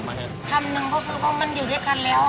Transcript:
ทำน์นึงเพราะมันอยู่ด้วยครั้งแล้ว